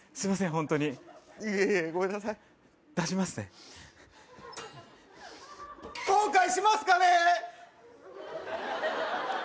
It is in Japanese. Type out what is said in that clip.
ホントにいえいえごめんなさい出しますね後悔しますかね